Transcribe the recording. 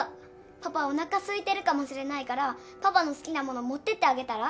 パパおなかすいてるかもしれないからパパの好きなもの持ってってあげたら？